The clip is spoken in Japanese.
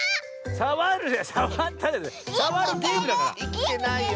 いきてないよ。